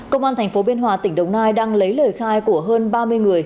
công an tp biên hòa tỉnh đồng nai đang lấy lời khai của hơn ba mươi người